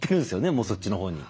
もうそっちのほうに。